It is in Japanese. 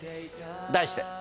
題して。